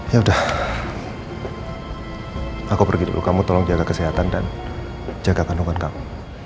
ya udah aku pergi dulu kamu tolong jaga kesehatan dan jaga kandungan kamu